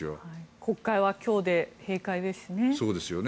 国会は今日で閉会ですしね。